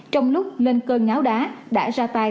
trong lúc lên cơn ngáo đá đã ra tài